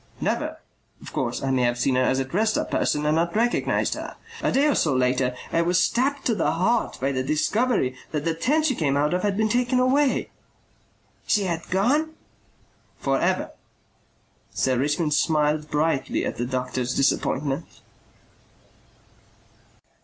"Never. Of course I may have seen her as a dressed up person and not recognized her. A day or so later I was stabbed to the heart by the discovery that the tent she came out of had been taken away." "She had gone?" "For ever." Sir Richmond smiled brightly at the doctor's disappointment.